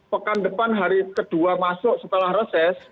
pekan depan hari kedua masuk setelah reses